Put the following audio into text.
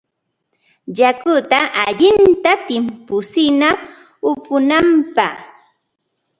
Yakuta allinta timputsina upunapaq.